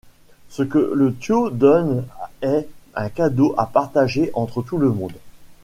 Ce que le tió donne est un cadeau à partager entre tout le monde.